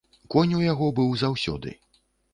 Конь у яго быў заўсёды.